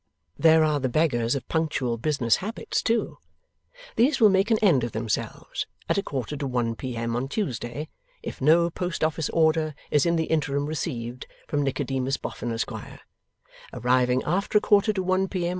There are the beggars of punctual business habits too. These will make an end of themselves at a quarter to one P.M. on Tuesday, if no Post office order is in the interim received from Nicodemus Boffin, Esquire; arriving after a quarter to one P.M.